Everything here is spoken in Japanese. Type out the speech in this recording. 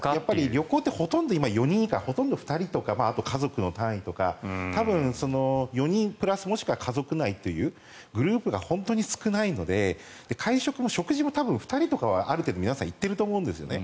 旅行ってほとんど今４人以下ほとんど２人とか家族の単位とか４人プラスもしくは家族内というグループが本当に少ないので会食も食事も多分２人とかはある程度、皆さん行っていると思うんですよね。